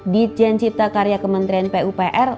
dijen cipta karya kementerian pupr